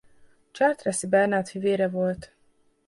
Chartres-i Bernát fivére volt.